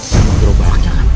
sama gerobaknya kang